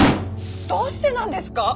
どうしてなんですか！？